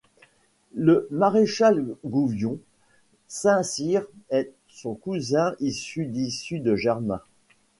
Le maréchal Gouvion Saint-Cyr est son cousin issu d'issus de germains.